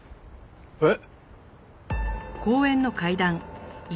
えっ？